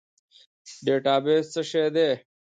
ډیټابیس څه شی دی؟